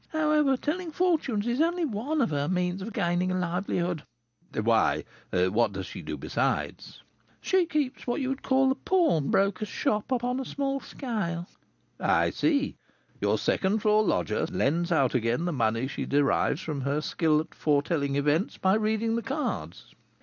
However, telling fortunes is only one of her means of gaining a livelihood." "Why, what does she do besides?" "She keeps what you would call a pawnbroker's shop upon a small scale." "I see; your second floor lodger lends out again the money she derives from her skill in foretelling events by reading the cards."